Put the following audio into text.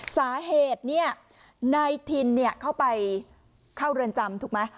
สาเหตุเนี่ยนายทินเข้าไปเข้าเรือนจำถูกไหม